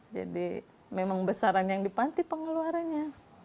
memang besaran yang di panti pengeluarannya